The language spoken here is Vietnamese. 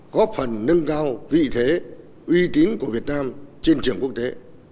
góp phần nâng cao vị thế uy tín của việt nam trên trường quốc tế